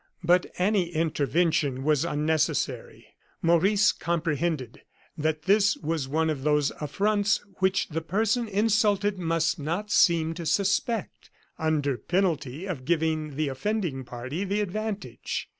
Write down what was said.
But any intervention was unnecessary. Maurice comprehended that this was one of those affronts which the person insulted must not seem to suspect, under penalty of giving the offending party the advantage.